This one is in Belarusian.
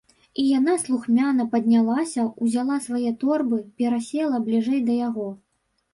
І яна слухмяна паднялася, узяла свае торбы, перасела бліжэй да яго.